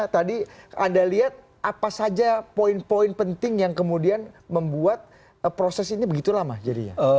tadi anda lihat apa saja poin poin penting yang kemudian membuat proses ini begitu lama jadinya